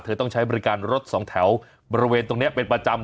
ต้องใช้บริการรถสองแถวบริเวณตรงนี้เป็นประจำ